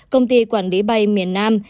công ty quản lý bay miền nam